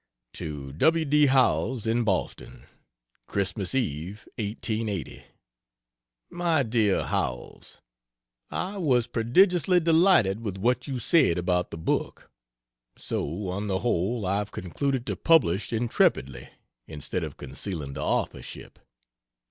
To W. D. Howells, in Boston: Xmas Eve, 1880. MY DEAR HOWELLS, I was prodigiously delighted with what you said about the book so, on the whole, I've concluded to publish intrepidly, instead of concealing the authorship.